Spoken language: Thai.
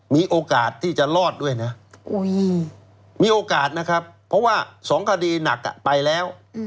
มีโอกาสที่จะรอดด้วยนะมีโอกาสนะครับเพราะว่า๒คดีหนักไปแล้ว